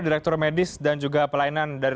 direktur medis dan juga pelayanan dari